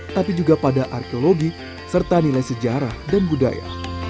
tapi juga pada arkeologi serta nilai sejarah dan budaya